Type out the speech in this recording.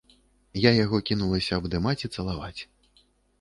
Я яго кінулася абдымаць і цалаваць.